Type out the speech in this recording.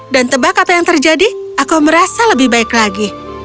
dan tebak apa yang terjadi aku merasa lebih baik lagi